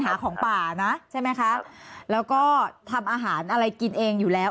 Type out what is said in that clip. หาของป่านะใช่ไหมคะแล้วก็ทำอาหารอะไรกินเองอยู่แล้ว